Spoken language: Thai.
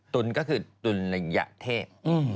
ตุลก็คือตุลระยะเทพ